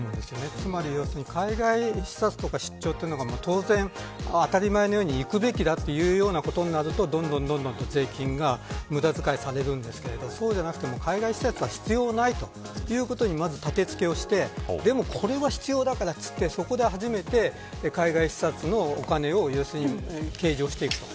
つまり海外視察とか出張というのが当たり前のように行くべきだというようなことになるとどんどん税金が無駄遣いされるんですけどそうじゃなくても海外視察は必要ないとそういうことに立て付けをしてでも、これは必要だからといってそこで初めて海外視察のお金を計上していく。